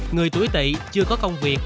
người tuổi tị chưa có công việc